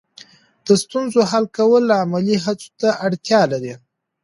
د ستونزو حل کول عملي هڅو ته اړتیا لري.